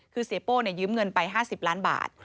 คือเสียโป้ยืมเงินไป๕๐ล้านบาท